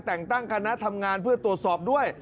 แต่งตั้งคณะทำงานเพื่อตรวจสอบด้วย